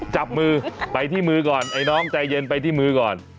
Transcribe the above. จับมือไปที่มือก่อนไอ้น้องใจเย็นไปที่มือก่อน